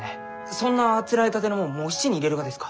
そんなあつらえたてのもんもう質に入れるがですか？